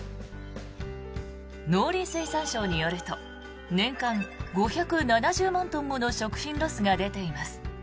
農林水産省によると年間５７０万トンもの食品ロスが出ています。